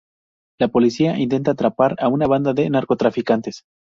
La policía intenta atrapar a una banda de narcotraficantes.